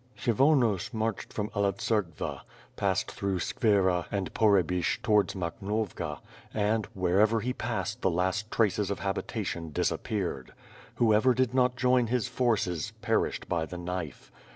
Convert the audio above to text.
Kshyvonos marched from Alotserkva, passed through Skvira and Pohrebyshch towards Makhnovka and, wherever he passed the last traces of habitation disappeared. Whoever did not join his forces, perished by the knife.